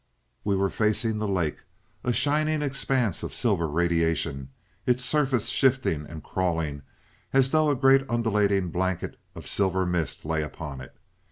"We were facing the lake a shining expanse of silver radiation, its surface shifting and crawling, as though a great undulating blanket of silver mist lay upon it.